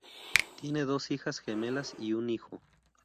Tiene dos hijas gemelas y un hijo